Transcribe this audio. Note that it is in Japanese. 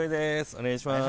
お願いします。